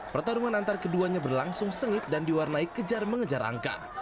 pertarungan antar keduanya berlangsung sengit dan diwarnai kejar mengejar angka